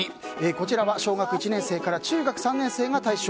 こちらは小学１年生から中学３年生が対象。